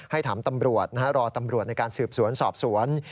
ให้ถามตำรวจรอตำรวจในการสืบสวนสอบสวน